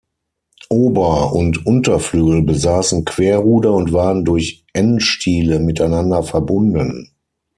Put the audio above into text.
Ober- und Unterflügel besaßen Querruder und waren durch N-Stiele miteinander verbunden.